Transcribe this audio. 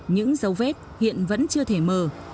những dấu vết hiện vẫn chưa thể mờ